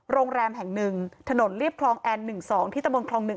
โรงแรมแห่งหนึ่งถนนเรียบคลองแอร์หนึ่งสองที่ตะโมนคลองหนึ่ง